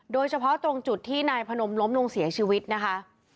โดยเฉพาะตรงจุดที่นายพนมล้มลงเสียชีวิตนะคะ